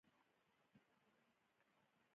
لکه سپیریلوم ولټانس.